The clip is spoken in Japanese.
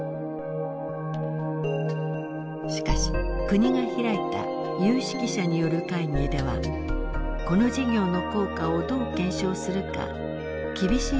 しかし国が開いた有識者による会議ではこの事業の効果をどう検証するか厳しい意見が次々と挙がりました。